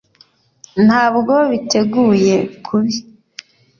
ntabwo biteguye kubi.